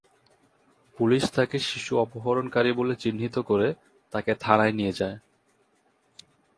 Police তাকে শিশু অপহরণকারী বলে চিহ্নিত করে তাকে থানায় নিয়ে যায়।